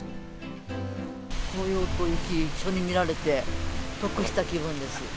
紅葉と雪、一緒に見られて、得した気分です。